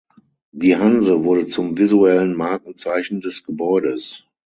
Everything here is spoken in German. Die Hanse wurde zum visuellen Markenzeichen des Gebäudes.